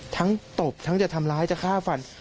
ตบทั้งจะทำร้ายจะฆ่าฟัน